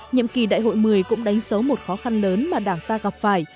nhiệm kỳ đại hội một mươi cũng đánh số một khó khăn lớn mà đảng ta gặp phải